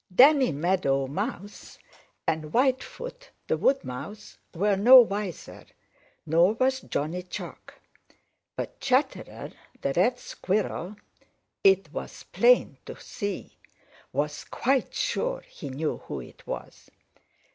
Danny Meadow Mouse and Whitefoot the Wood Mouse were no wiser, nor was Johnny Chuck. But Chatterer the Red Squirrel, it was plain to see, was quite sure he knew who it was.